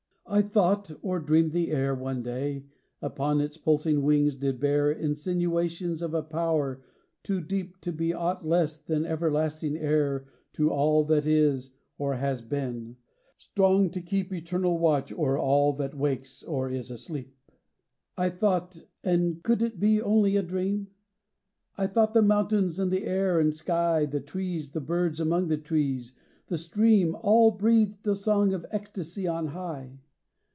I tho't, or dreamed the air, One day, upon its pulsing wings did bear Insinuations of a Power too deep To be ought less than everlasting heir To all that is or has been: strong to keep Eternal watch o'er all that wakes or is asleep. 10 CHRISTMAS EVE. XIV. "I tho't — and could it be only a dream? I tho't the mountains and the air and sky, The trees, the birds among the trees, the stream, All breathed a song of ecstacy on high.